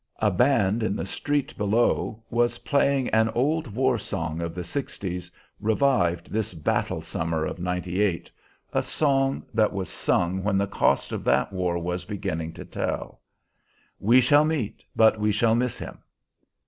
A band in the street below was playing an old war song of the sixties, revived this battle summer of '98, a song that was sung when the cost of that war was beginning to tell, "We shall meet, but we shall miss him."